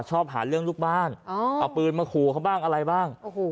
ชอบหาเรื่องลูกบ้านเอาปืนมาขู่เขาบ้างอะไรบ้าง